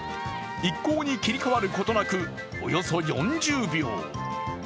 一向に切り替わることなく、およそ４０秒。